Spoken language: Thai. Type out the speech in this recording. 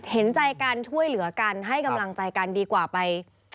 เห็นใจกันช่วยเหลือกันให้กำลังใจกันดีกว่าไป